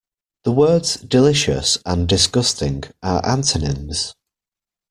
The words delicious and disgusting are antonyms.